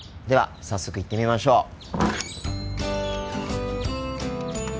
では早速行ってみましょう。